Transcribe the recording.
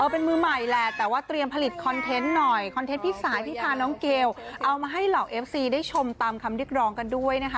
เป็นมือใหม่แหละแต่ว่าเตรียมผลิตคอนเทนต์หน่อยคอนเทนต์พี่สายที่พาน้องเกลเอามาให้เหล่าเอฟซีได้ชมตามคำเรียกร้องกันด้วยนะคะ